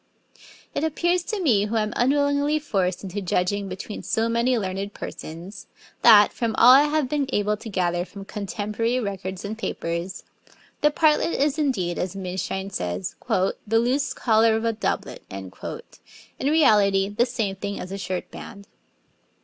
It appears to me, who am unwillingly forced into judging between so many learned persons, that, from all I have been able to gather from contemporary records and papers, the partlet is indeed, as Minshein says, 'the loose collar of a doublet,' in reality the same thing as a shirt band.